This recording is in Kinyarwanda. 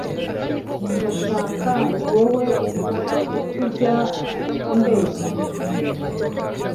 ndagushaka ni wowe itujya umbeshya